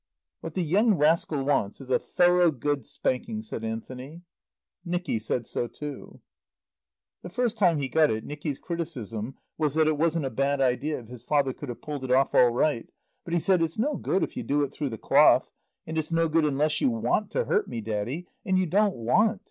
"What the young rascal wants is a thorough good spanking," said Anthony. Nicky said so too. The first time he got it Nicky's criticism was that it wasn't a bad idea if his father could have pulled it off all right. But he said, "It's no good if you do it through the cloth. And it's no good unless you want to hurt me, Daddy. And you don't want.